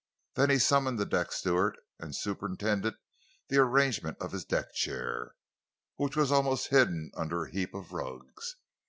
Then he summoned the deck steward and superintended the arrangement of his deck chair, which was almost hidden under a heap of rugs.